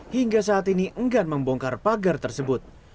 hingga saat ini enggan membongkar pagar tersebut